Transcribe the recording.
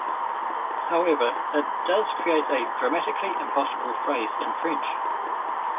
However, it does create a grammatically impossible phrase in French.